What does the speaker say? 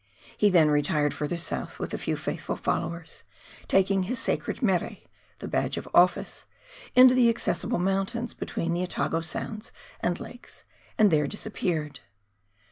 He then retired further south with a few faithful followers, taking his sacred mere — the badge of office — into the inaccessible mountains between the Otago Sounds and Lakes, and there disappeared.